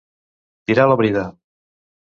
Tirar la brida.